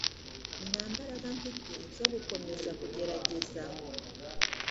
Nta mbaraga mfite zo gukomeza kugerageza